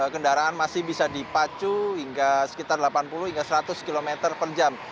kendaraan masih bisa dipacu hingga sekitar delapan puluh hingga seratus km per jam